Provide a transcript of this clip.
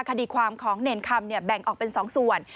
คดีความของเนรคำแบ่งออกเป็น๒ส่วน